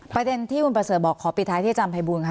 ประเด็นที่บุญประเสริมบอกขอปิดท้ายที่จำให้บุญค่ะ